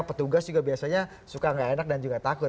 petugas juga biasanya suka nggak enak dan juga takut